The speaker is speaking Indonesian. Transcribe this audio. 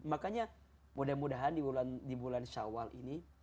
makanya mudah mudahan di bulan syawal ini